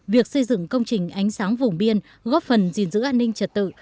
việc xây dựng công trình ánh sáng vùng biên góp phần gìn giữ an ninh trật tự